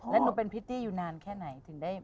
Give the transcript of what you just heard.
แล้วนูเป็นพิธีอยู่นานแค่ไหนถึงได้มาอยู่